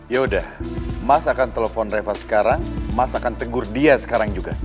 yaudah mas akan telepon reva sekarang mas akan tegur dia sekarang juga